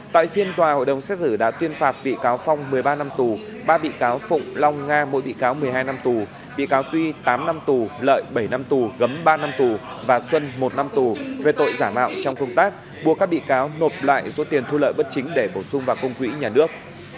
tại phiên tòa hội đồng xét xử đã tuyên phạt bị cáo phong một mươi ba năm tù ba bị cáo phụng long nga mỗi bị cáo một mươi hai năm tù bị cáo tuy tám năm tù lợi bảy năm tù gấm ba năm tù và xuân một năm tù về tội giả mạo trong công tác buộc các bị cáo nộp lại số tiền thu lợi bất chính để bổ sung vào công quỹ nhà nước